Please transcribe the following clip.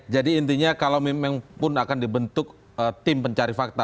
jadi intinya kalau memang pun akan dibentuk tim pencari fakta